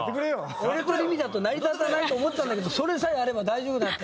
俺とりみだと成り立たないと思ったんだけどそれさえあれば大丈夫だって。